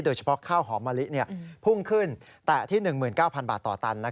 โดยเฉพาะข้าวหอมมะลิพุ่งขึ้นแต่ที่๑๙๐๐๐บาทต่อตัน